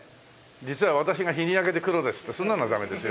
「実は私が日に焼けて黒です」ってそんなのはダメですよ。